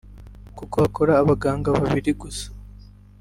kuko hakora abaganga babiri gusa